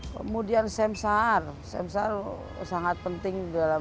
kemudian sem sar sem sar sangat penting dalam